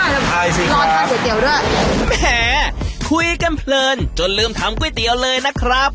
รอทานก๋วยเตี๋ยวด้วยแหมคุยกันเพลินจนลืมทำก๋วยเตี๋ยวเลยนะครับ